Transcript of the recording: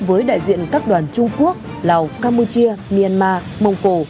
với đại diện các đoàn trung quốc lào campuchia myanmar mông cổ